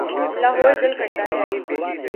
لاہور دل کرتا ہے۔